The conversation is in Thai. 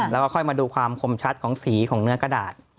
แล้วก็ค่อยมาดูความคมชัดของสีของเนื้อกระดาษ